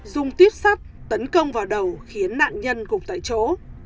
dùng tiếp sắt tấn công vào đầu khiến nạn nhân gục tại chỗ